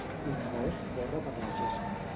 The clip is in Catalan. Un gos corre per la gespa